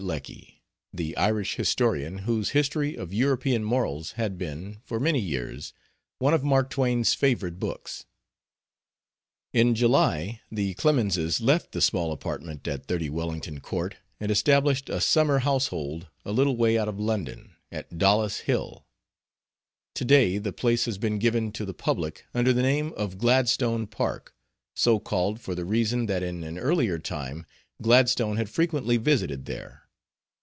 Lecky, the Irish historian whose History of European Morals had been, for many years, one of Mark Twain's favorite books: In July the Clemenses left the small apartment at 30 Wellington Court and established a summer household a little way out of London, at Dollis Hill. To day the place has been given to the public under the name of Gladstone Park, so called for the reason that in an earlier time Gladstone had frequently visited there.